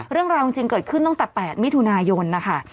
เรื่องราวจริงเกิดขึ้นตั้งแต่๘มิถุนายนนะคะ